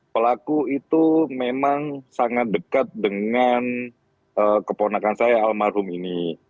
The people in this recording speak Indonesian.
pelaku itu memang sangat dekat dengan keponakan saya almarhum ini